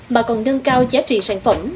mà còn nâng cao giá trị sản phẩm